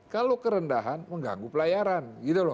kalau kerendahan mengganggu pelayaran